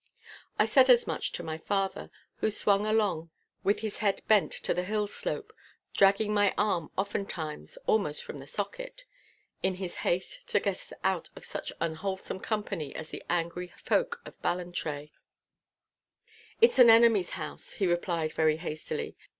I said as much to my father, who swung along with his head bent to the hill slope, dragging my arm oftentimes almost from the socket, in his haste to get us out of such unwholesome company as the angry folk of Ballantrae. 'It is an enemy's house!' he replied very hastily.